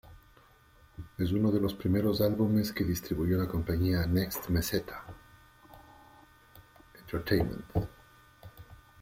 Es uno de los primeros álbumes que distribuyó la compañía Next Meseta Entertainment.